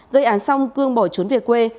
gây án xong cương bỏ trốn về quê